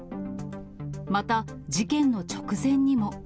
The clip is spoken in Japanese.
また、事件の直前にも。